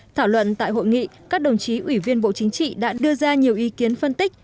thảo luận tại hội nghị các đồng chí ủy viên bộ chính trị đã đưa ra nhiều ý kiến phân tích